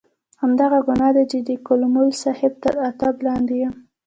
همدغه ګناه ده چې د قلموال صاحب تر عتاب لاندې یم.